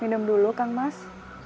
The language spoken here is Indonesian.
minum dulu kan mas